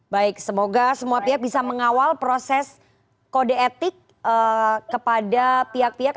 baik semoga semua pihak bisa mengawal proses kode etik kepada pihak pihak